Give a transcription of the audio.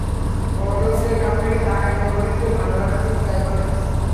বড়লোকদের কাছ থেকে টাকা নিয়ে গরিবদের ভালো রাখার জন্য ব্যয় করেন।